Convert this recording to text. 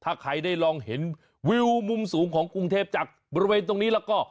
ถ้าใครได้ลองเห็นวิวมุมสูงของกรุงเทพจากบริเวณตรงนี้แล้วก็